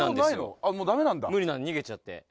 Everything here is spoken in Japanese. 無理なの逃げちゃって。